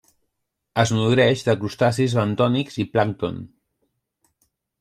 Es nodreix de crustacis bentònics i plàncton.